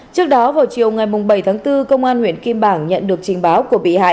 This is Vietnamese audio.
trước đó vào chiều ngày bảy tháng bốn công an huyện kim bảng nhận được trình báo của bị hại